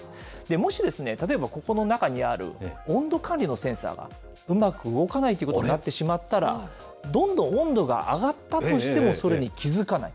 もしですね、例えば、ここの中にある温度管理のセンサーが、うまく動かないということになってしまったら、どんどん温度が上がったとしても、それに気付かない。